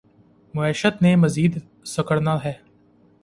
معیشت نے مزید سکڑنا ہے۔